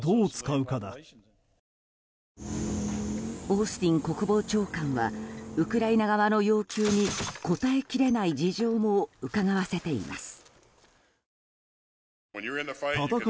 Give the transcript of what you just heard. オースティン国防長官はウクライナ側の要求に応えきれない事情もうかがわせています。